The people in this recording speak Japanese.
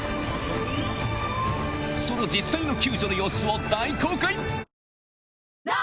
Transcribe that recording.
その実際の救助の様子を大公開